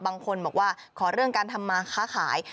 บางคนบอกว่าขอเรื่องการทำมาค้าขาย